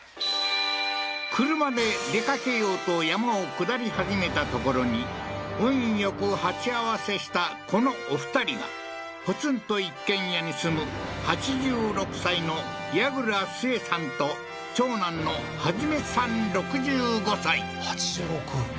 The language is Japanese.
車で出かけようと山を下り始めたところに運よく鉢合わせしたこのお二人がポツンと一軒家に住む８６歳の矢倉スエさんと長男の一さん６５歳８６